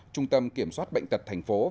trung tâm kiểm soát bệnh tật tp hcm